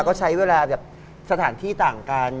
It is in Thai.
ก็ใช้เวลาแบบสถานที่ต่างกัน